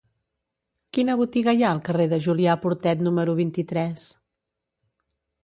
Quina botiga hi ha al carrer de Julià Portet número vint-i-tres?